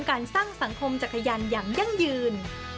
การสร้างสังคมจักรยานอย่างยั่งยืน